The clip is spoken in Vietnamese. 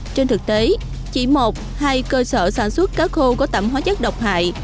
trên thực tế chỉ một hay cơ sở sản xuất cá khô có tạm hóa chất độc hại